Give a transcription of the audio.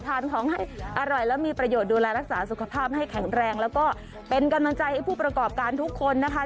ทานของให้อร่อยแล้วมีประโยชน์ดูแลรักษาสุขภาพให้แข็งแรงแล้วก็เป็นกำลังใจให้ผู้ประกอบการทุกคนนะคะ